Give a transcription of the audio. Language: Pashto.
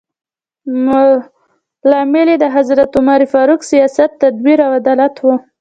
لامل یې د حضرت عمر فاروق سیاست، تدبیر او عدالت و.